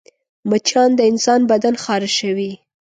مچان د انسان بدن خارشوي